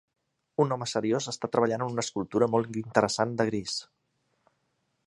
Un home seriós està treballant en una escultura molt interessant de gris.